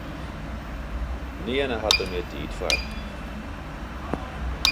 Nearne hat er mear tiid foar.